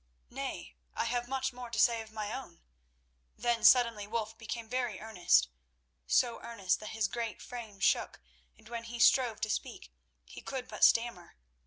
"Nay, I have much more to say of my own." Then suddenly Wulf became very earnest—so earnest that his great frame shook, and when he strove to speak he could but stammer.